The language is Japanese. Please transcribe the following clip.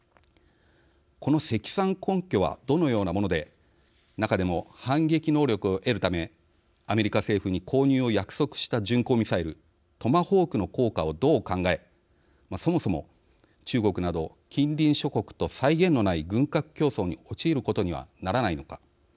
この積算根拠はどのようなもので中でも反撃能力を得るためアメリカ政府に購入を約束した巡航ミサイルトマホークの効果をどう考えそもそも、中国など近隣諸国と際限のない軍拡競争に陥ることにはならないのか。